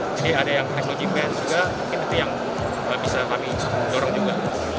jadi ada yang tekno gym band juga mungkin itu yang bisa kami dorong juga